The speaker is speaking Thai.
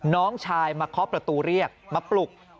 น้องชายมาเคาะประตูเรียกมาปลุก